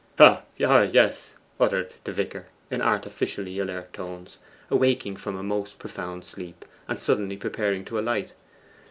'Ah, yes!' uttered the vicar in artificially alert tones, awaking from a most profound sleep, and suddenly preparing to alight.